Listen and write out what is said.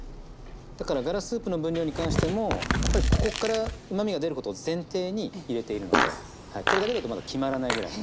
だからガラスープの分量に関してもやっぱりここからうまみが出ることを前提に入れているのでこれだけだとまだ決まらないぐらいの量ですね。